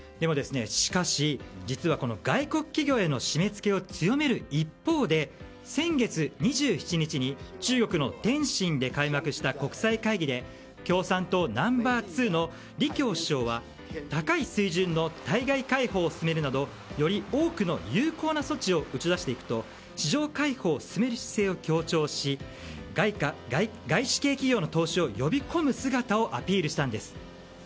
しかし、実は外国企業への締め付けを強める一方で、先月２７日に中国の天津で開幕した国際会議で共産党ナンバー２の李強首相は高い水準の対外開放を進めるなどより多くの有効な措置を打ち出していくと市場開放を進める姿勢を強調し外資系企業の投資を呼び込む姿をアピールしたんです。